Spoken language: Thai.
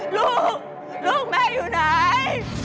ลูกลูกแม่อยู่ไหน